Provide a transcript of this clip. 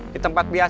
di tempat biasa